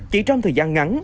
chỉ trong thời gian ngắn